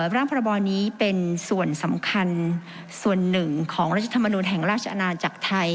พระบอนี้เป็นส่วนสำคัญส่วนหนึ่งของรัฐธรรมนุนแห่งราชอาณาจักรไทย